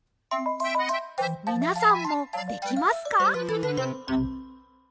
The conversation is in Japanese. みなさんもできますか？